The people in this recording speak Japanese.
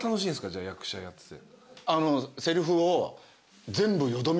じゃあ役者やってて。